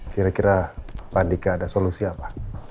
kira kira pak andika ada solusi apa